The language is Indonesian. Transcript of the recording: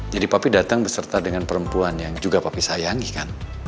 jadi papi datang beserta dengan perempuan yang juga papi sayangi kan